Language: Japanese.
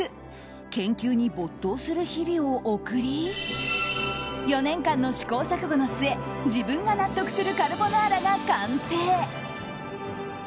研究に没頭する日々を送り４年間の試行錯誤の末自分が納得するカルボナーラが完成。